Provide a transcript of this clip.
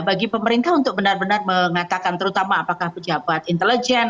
bagi pemerintah untuk benar benar mengatakan terutama apakah pejabat intelijen